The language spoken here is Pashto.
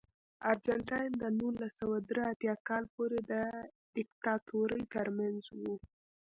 ارجنټاین د نولس سوه درې اتیا کال پورې د دیکتاتورۍ ترمنځ و.